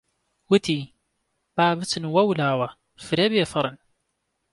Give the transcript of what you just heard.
وتی: با بچن وەولاوە فرە بێفەڕن!